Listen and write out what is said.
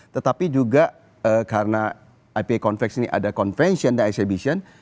tetapi juga karena ip convex ini ada convention dan exhibition